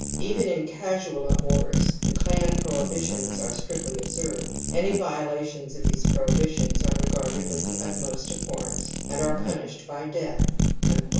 Even in casual amours the clan prohibitions are strictly observed ; any violations of these prohibitions ' are regarded with the utmost abhorrence and are punished by death ' (Howitt)."